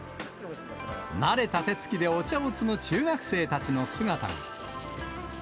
慣れた手つきでお茶を摘む中学生たちの姿が。